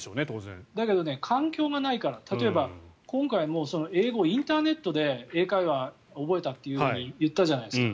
だけど、環境がないから例えば、今回も英語をインターネットで英会話を覚えたというふうに言ったじゃないですか。